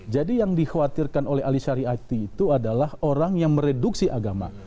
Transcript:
jadi yang dikhawatirkan oleh alisari ati itu adalah orang yang mereduksi agama